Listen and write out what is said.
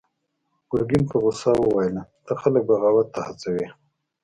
ګرګين په غوسه وويل: ته خلک بغاوت ته هڅوې!